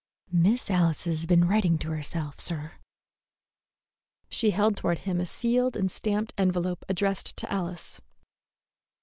"Miss Alice's been writing to herself, sir." She held toward him a sealed and stamped envelope addressed to Alice.